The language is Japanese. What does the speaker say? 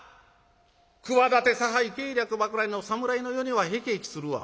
企て差配計略ばかりの侍の世にはへきえきするわ。